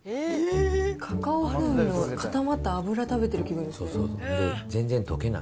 カカオ風味の固まった脂食べてる感じが。